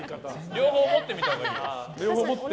両方持ってみたほうがいいよ。